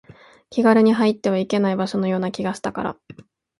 気軽に入ってはいけない場所のような気がしたから